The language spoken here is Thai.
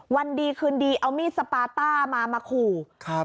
วันดีคืนดีเอามีดสปาต้ามามาขู่ครับ